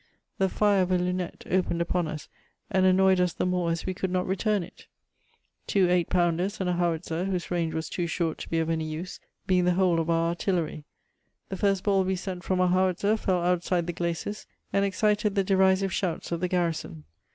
The fire of a lunette opened upon us, and annoyed us the more as we could not return it ; two eight poimders, and a howitzer whose range was too short to be of any use, being the whole of our artillery; the first ball we sent from our howitzer fell outside the glacis, and excited the derisive shouts of the garrison.